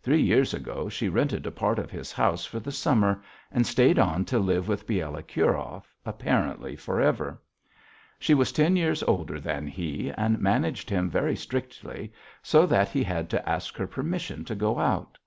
Three years ago she rented a part of his house for the summer, and stayed on to live with Bielokurov, apparently for ever. She was ten years older than he and managed him very strictly, so that he had to ask her permission to go out.